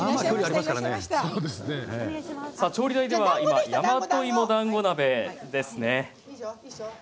調理台では「大和芋だんご鍋」です。